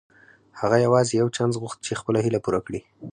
هغه يوازې يو چانس غوښت چې خپله هيله پوره کړي.